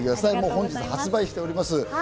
本日発売されております。